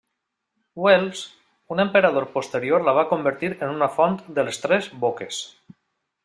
Wells, un emperador posterior la va convertir en una font de tres boques.